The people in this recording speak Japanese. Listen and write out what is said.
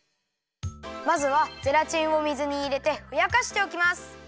まずはゼラチンを水にいれてふやかしておきます。